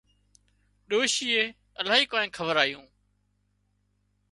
ڏوشيئي الاهي ڪانيئن کورايون